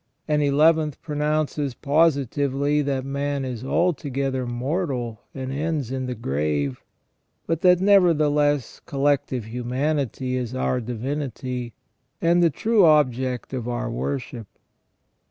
An eleventh pronounces positively that man is altogether mortal and ends in the grave, but that nevertheless collective humanity is our divinity, and the true object of our worship.